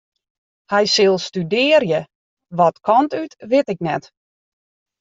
Hy sil studearje, wat kant út wit ik net.